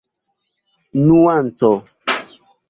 nuanco